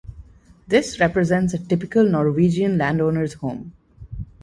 This represents a typical Norwegian landowner's home.